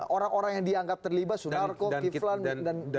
orang orang yang dianggap terlibat sunarko kiflan dan